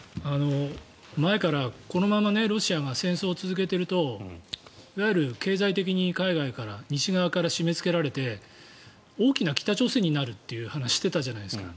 前から、このままロシアが戦争を続けてるといわゆる経済的に海外から西側から締めつけられて大きな北朝鮮になるという話をしていたじゃないですか。